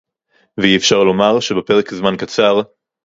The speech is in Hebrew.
ואי-אפשר לומר שבפרק זמן קצר